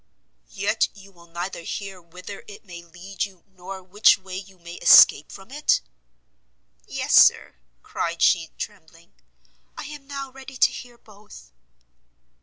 "Yet you will neither hear whither it may lead you, nor which way you may escape from it?" "Yes, Sir," cried she, trembling, "I am now ready to hear both."